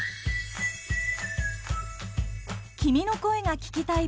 「君の声が聴きたい」